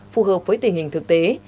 phù hợp với tình hình thực tế